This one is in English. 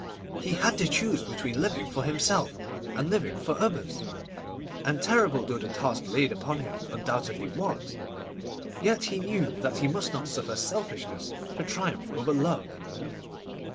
He had to choose between living for himself and living for others, and terrible though the task laid upon him undoubtedly was, yet he knew that he must not suffer selfishness to triumph over love.